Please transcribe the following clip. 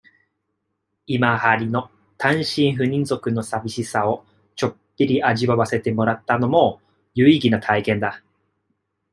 今流行の、単身赴任族の淋しさを、ちょっぴり味わわせてもらったのも、有意義な体験だ。